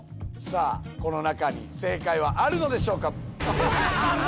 この中に正解はあるのでしょうか？